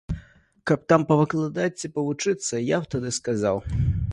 Каб там павыкладаць ці павучыцца, я б тады сказаў.